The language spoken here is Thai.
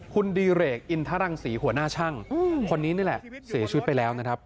คุณดีเรกอินทรังศรีหัวหน้าช่างคนนี้นี่แหละเสียชีวิตไปแล้วนะครับ